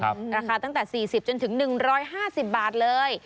ราคาตั้งแต่๔๐จนถึง๑๕๐บาทเลย